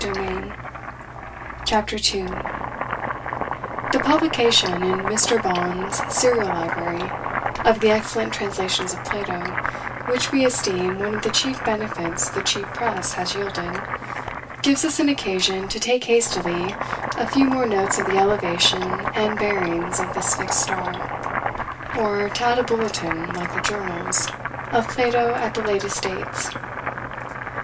PLATO: NEW READINGS The publication, in Mr. Bohn's "Serial Library," of the excellent translations of Plato, which we esteem one of the chief benefits the cheap press has yielded, gives us an occasion to take hastily a few more notes of the elevation and bearings of this fixed star; or, to add a bulletin, like the journals, of Plato at the latest dates.